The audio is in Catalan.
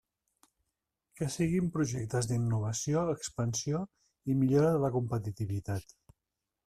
Que siguin projectes d'innovació, expansió i millora de la competitivitat.